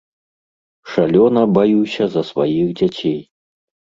Шалёна баюся за сваіх дзяцей.